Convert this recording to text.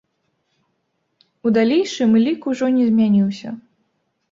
У далейшым лік ужо не змяніўся.